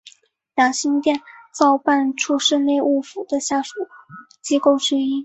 养心殿造办处是内务府的下属机构之一。